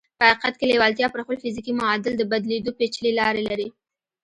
په حقیقت کې لېوالتیا پر خپل فزیکي معادل د بدلېدو پېچلې لارې لري